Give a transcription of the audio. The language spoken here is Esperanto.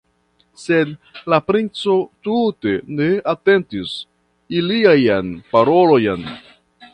Sed la princo tute ne atentis iliajn parolojn.